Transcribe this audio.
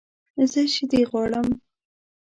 زه شیدې غواړم